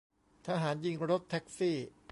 ทหารยิงรถแท็กซี่